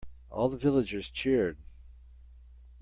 All the villagers cheered.